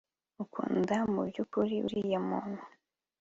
ukunda mubyukuri uriya munt